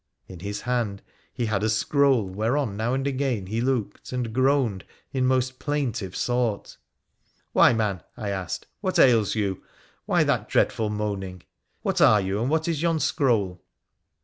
In his hand he had a scroll whereon now and again he looked, and groaned in most plaintive sort. ' Why, man,' I asked, ' what ails you ? Why that dreadful moaning ? What are you, and what is yon scroll